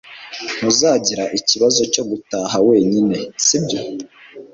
Ntuzagira ikibazo cyo gutaha wenyine, sibyo?